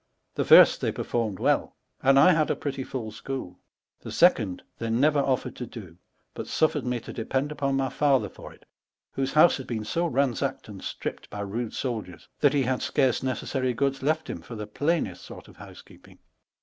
The first they performed well, and I had a prettie tiill schoolo ; the second i«} they never offered to doe, but suBered mo to depend uikiu my father for it, whoso house had beene so ransacked and stripped by rude souldiers, that he had scarce necessary goods left him for the plainest sort of housekeeping.